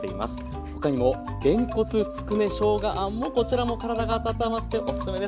他にもげんこつつくねしょうがあんもこちらも体が温まっておすすめです。